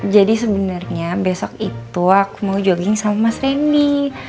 jadi sebenernya besok itu aku mau jogging sama mas reni